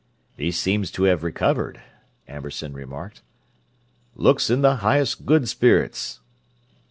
"He seems to have recovered," Amberson remarked: "Looks in the highest good spirits."